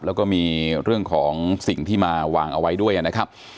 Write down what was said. แล้วก็มีเรื่องของสิ่งที่มาวางเอาไว้ด้วยนะครับ